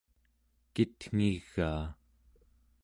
kitngigaa